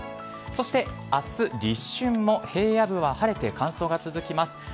そして明日、立春も平野部は晴れて、乾燥が続きます。